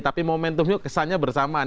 tapi momentumnya kesannya bersamaan